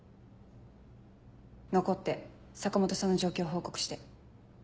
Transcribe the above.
残って坂本さんの状況を報告して。